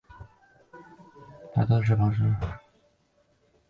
大多长跑运动员由被怀疑给运动员使用兴奋剂的马俊仁执教。